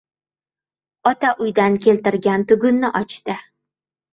Ota uydan keltirgan tugunni ochdi.